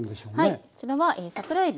はいこちらは桜えび。